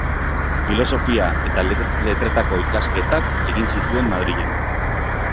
Filosofia eta Letretako ikasketak egin zituen Madrilen.